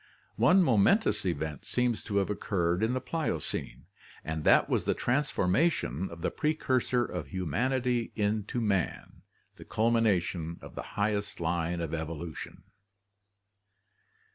One momentous event seems to have occurred in the Pliocene, and that was the transformation of the precursor of humanity into man — the culmination of the highest line of evolution!